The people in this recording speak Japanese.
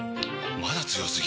まだ強すぎ？！